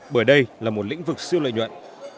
bởi đây là một lĩnh vực siêu lợi nhuận